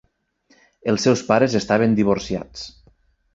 Els seus pares estaven divorciats.